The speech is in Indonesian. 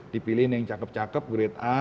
dipilihin yang cakep cakep grade a